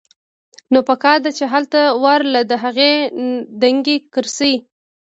نو پکار ده چې هلته ورله د هغې دنګې کرسۍ